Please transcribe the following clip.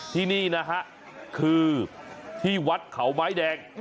ที่นี่นะฮะคือที่วัดเขาไม้แดง